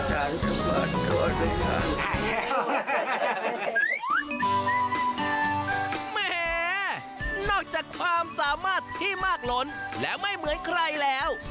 แหมนอกจากความสามารถที่มากล้นและไม่เหมือนใครแล้ว